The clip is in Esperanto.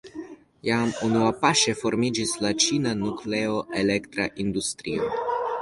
Jam unuapaŝe formiĝis la ĉina nukleoelektra industrio.